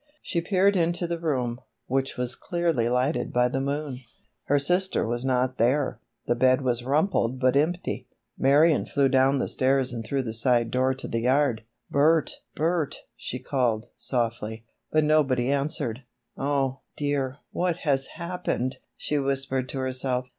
She peered into the room, which was clearly lighted by the moon. Her sister was not there. The bed was rumpled but empty. Marion flew down the stairs and through the side door to the yard. "Bert! Bert!" she called softly, but nobody answered. "Oh, dear, what has happened?" she whispered to herself.